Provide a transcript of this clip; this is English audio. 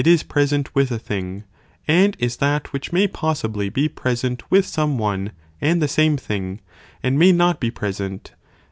a Oe is present with a thing, and is that which may (Cf. lib. ii. and possibly be present with some one and the same *"7°P ) thing and may not be present